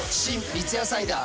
三ツ矢サイダー』